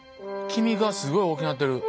黄身がすごい大きなってる。